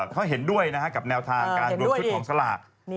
เขาเห็นด้วยกับแนวทางการรวมชุดของสลาก